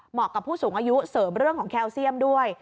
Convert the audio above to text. กับผู้สูงอายุเสริมเรื่องของแคลเซียมด้วย